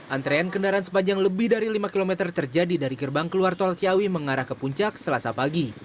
antrean kendaraan sepanjang lebih dari lima km terjadi dari gerbang keluar tol ciawi mengarah ke puncak selasa pagi